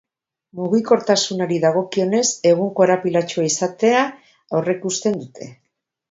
Mugikortasunari dagokionez, egun korapilatsua izatea aurreikusten dute.